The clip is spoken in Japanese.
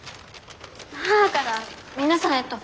母から皆さんへと！